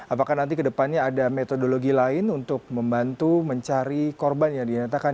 apakah nanti ke depannya ada metodologi lain untuk membantu mencari korban yang dinyatakan